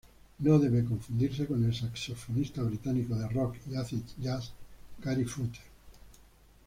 No debe confundirse con el saxofonista británico de rock y acid jazz, Gary Foote.